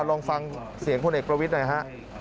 ลองฟังเสียงพลเอกประวิทย์หน่อยฮะ